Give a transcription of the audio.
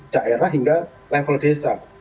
daerah hingga level desa